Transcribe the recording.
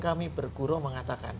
kami bergurau mengatakan